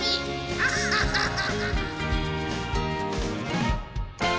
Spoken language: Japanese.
アハハハハ！